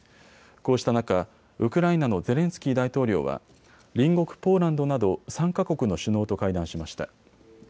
こうした中、ウクライナのゼレンスキー大統領は隣国ポーランドなど３か国の首脳と会談しました。